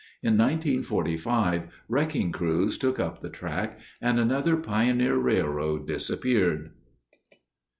In 1945, wrecking crews took up the track, and another pioneer railroad disappeared.